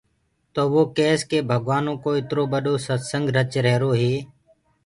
تو وو ڪيس ڪي ڀگوآنو ڪو اِترو ٻڏو ستسنگ رچ رهيرو هي۔